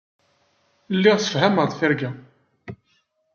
Lliɣ ssefhameɣ-d tirga.